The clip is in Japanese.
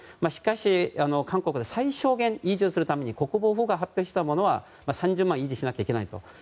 しかし、韓国で最小限維持するために国防法が発表したものは３０万を維持しなければいけないと。